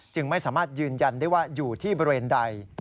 ไม่สามารถยืนยันได้ว่าอยู่ที่บริเวณใด